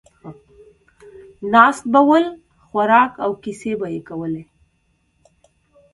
ناست به ول، خوراک او کیسې به یې کولې.